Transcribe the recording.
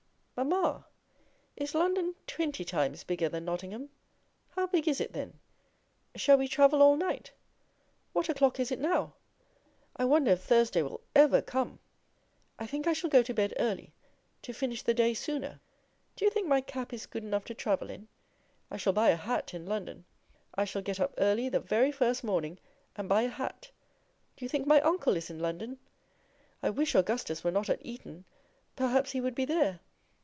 'Mamma! is London twenty times bigger than Nottingham? How big is it, then? Shall we travel all night? What o'clock is it now? I wonder if Thursday will ever come? I think I shall go to bed early, to finish the day sooner. Do you think my cap is good enough to travel in? I shall buy a hat in London. I shall get up early the very first morning, and buy a hat. Do you think my uncle is in London? I wish Augustus were not at Eton, perhaps he would be there.